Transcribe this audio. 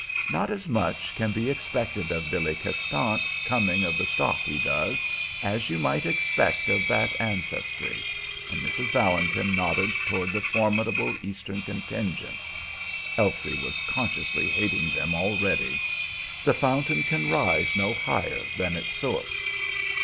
Not as much can be expected of Billy Castant, coming of the stock he does, as you might expect of that ancestry," and Mrs. Valentin nodded toward the formidable Eastern contingent. (Elsie was consciously hating them already.) "The fountain can rise no higher than its source."